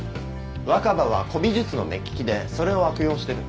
若葉は古美術の目利きでそれを悪用してる。